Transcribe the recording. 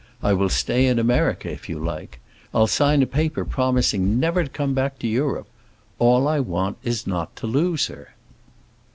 I will stay in America if you like. I'll sign a paper promising never to come back to Europe! All I want is not to lose her!"